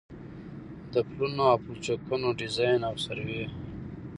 د پلونو او پلچکونو ډيزاين او سروې